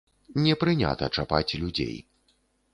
Не прынята чапаць людзей!